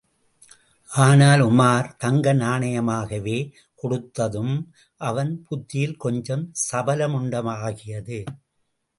ஆனால், உமார் தங்க நாணயமாகவே கொடுத்ததும் அவன் புத்தியில் கொஞ்சம் சபலமுண்டாகியது.